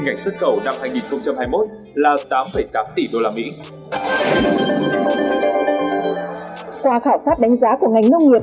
ngành xuất khẩu năm hai nghìn hai mươi một là tám tám tỷ usd qua khảo sát đánh giá của ngành nông nghiệp